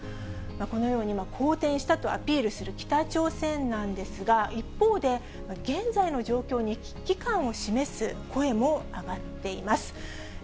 このように好転したとアピールする北朝鮮なんですが、一方で、現在の状況に危機感を示す声も上がっています。